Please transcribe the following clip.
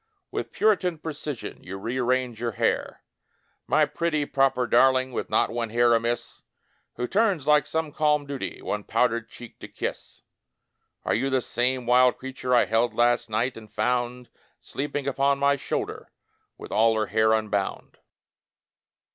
With puritan precision You rearrange your hair. ... My pretty, proper darling, With not one hair amiss, Who turns, like some calm duty. One powdered cheek to kiss. Are you the same wUd creature I held last night, and found Sleeping upon my shoulder With all her hair unbound?